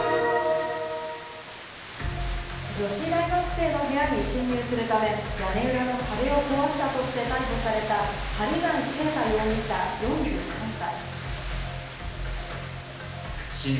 女子大学生の部屋に侵入するため、屋根裏の壁を壊したとして逮捕された針谷啓太容疑者、４３歳。